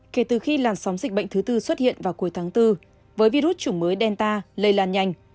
kể từ khi làn sóng dịch bệnh thứ tư xuất hiện vào cuối tháng bốn với virus chủng mới delta lây lan nhanh